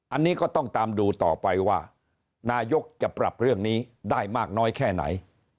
อันนี้ก็ต้องตามดูต่อไปว่านายกจะปรับเรื่องนี้ได้มากน้อยแค่ไหน